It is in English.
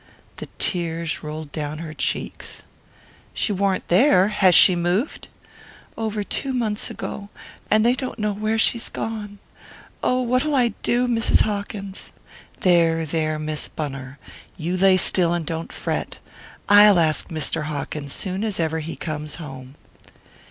The tears rolled down her cheeks. "She warn't there? Has she moved?" "Over two months ago and they don't know where she's gone. Oh what'll I do, Mrs. Hawkins?" "There, there, Miss Bunner. You lay still and don't fret. I'll ask Mr. Hawkins soon as ever he comes home."